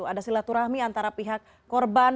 ada silaturahmi antara pihak korban